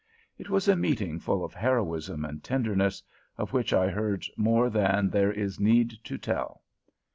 It was a meeting full of heroism and tenderness, of which I heard more than there is need to tell.